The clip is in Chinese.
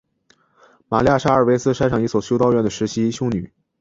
玛莉亚是阿尔卑斯山上一所修道院的实习修女。